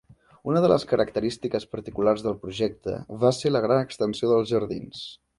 Una de les característiques particulars del projecte va ser la gran extensió dels jardins.